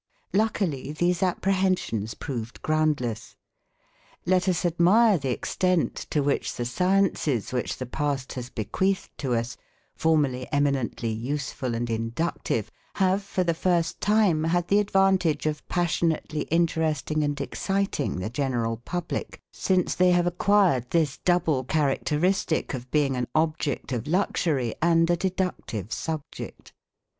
Luckily these apprehensions proved groundless. Let us admire the extent to which the sciences which the past has bequeathed to us, formerly eminently useful and inductive, have for the first time had the advantage of passionately interesting and exciting the general public since they have acquired this double characteristic of being an object of luxury and a deductive subject.